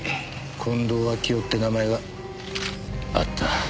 近藤秋夫って名前があった。